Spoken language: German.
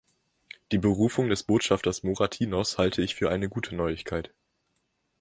Die Berufung des Botschafters Moratinos halte ich für eine gute Neuigkeit.